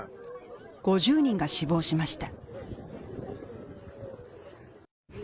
５０人が死亡しました。